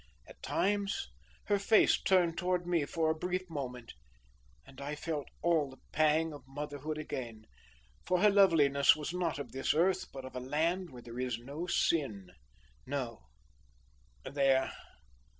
At times, her face turned towards me for a brief moment, and I felt all the pang of motherhood again, for her loveliness was not of this earth but of a land where there is no sin, no There!